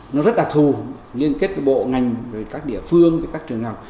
nó rất đặc thù liên kết với bộ ngành với các địa phương với các trường học